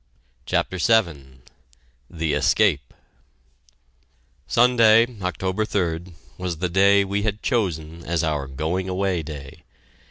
CHAPTER VII THE ESCAPE Sunday, October 3d, was the day we had chosen as our "going away" day.